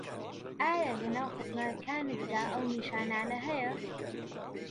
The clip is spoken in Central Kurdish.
ئایا لەناو خزمەکانتدا ئەو نیشانانه هەیە